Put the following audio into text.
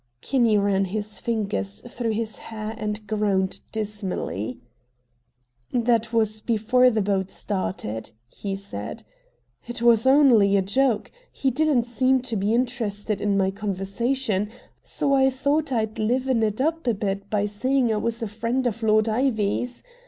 Kinney ran his fingers through his hair and groaned dismally. "That was before the boat started," he said; "it was only a joke. He didn't seem to be interested in my conversation, so I thought I'd liven it up a bit by saying I was a friend of Lord Ivy's.